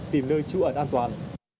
tìm nơi trú ẩn an toàn